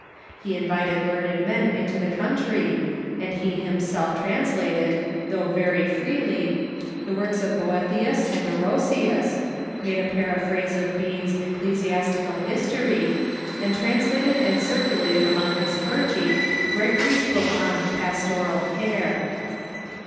He invited learned men into the country, and he himself translated, though very freely, the works of Boethius and Orosius, made a paraphrase of Bede's " Ecclesiastical History," and translated and circulated among bis clergy Gregory's book on " Pastoral Care."